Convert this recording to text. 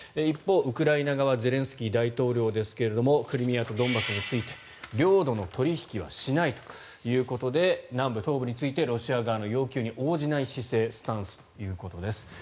一方、ウクライナ側ゼレンスキー大統領ですがクリミアとドンバスについて領土の取引はしないということで南部、東部についてロシア側の要求に応じない姿勢、スタンスということです。